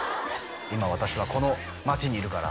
「今私はこの街にいるから」